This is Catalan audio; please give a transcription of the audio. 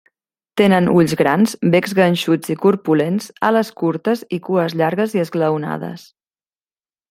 Tenen ulls grans, becs ganxuts i corpulents, ales curtes i cues llargues i esglaonades.